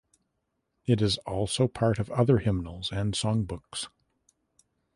It is also part of other hymnals and song books.